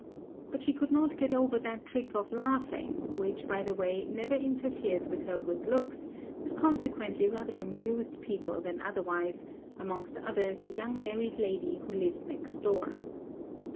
But she could not get over that trick of laughing, which, by the way, never interfered with her good looks, and consequently rather amused people than otherwise, amongst others a young married lady who lived next door.